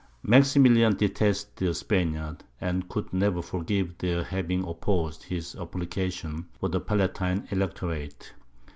Maximilian detested the Spaniards, and could never forgive their having opposed his application for the Palatine Electorate.